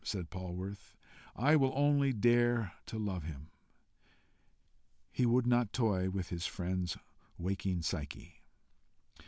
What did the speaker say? said Polwarth; "I will only dare to love him." He would not toy with his friend's waking Psyche.